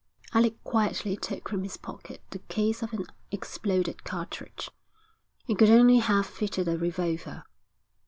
Alec quietly took from his pocket the case of an exploded cartridge. It could only have fitted a revolver.